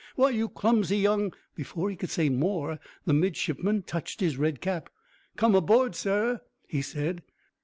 Why, you clumsy young " Before he could say more, the midshipman touched his red cap. "Come aboard, sir," he said.